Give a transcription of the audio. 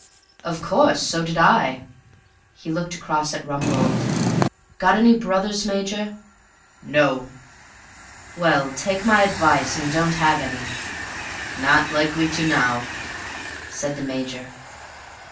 "Of course. So did I." He looked across at Rumbold. "Got any brothers, Major?" "No." "Well, take my advice, and don't have any." "Not likely to now," said the Major.